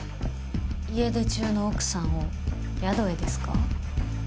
家出中の奥さんを宿へですか？